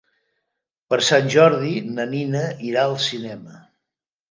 Per Sant Jordi na Nina irà al cinema.